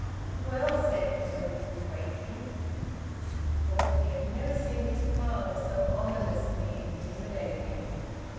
"Well " said Edwin, quaking. He thought he had never seen his father so ominously intimidating.